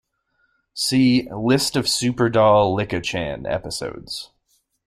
See "List of Super Doll Licca-chan episodes".